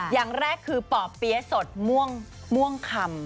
อย่างแรกคือป่อเปี๊ยะสดม่วงคำ